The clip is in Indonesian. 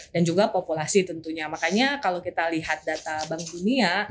dan juga populasi tentunya makanya kalau kita lihat data bank dunia